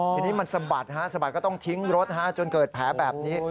ทีนี้มันสะบัดฮะสะบัดก็ต้องทิ้งรถจนเกิดแผลแบบนี้